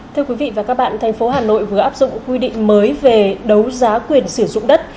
thưa quý vị và các bạn thành phố hà nội vừa áp dụng quy định mới về đấu giá quyền sử dụng đất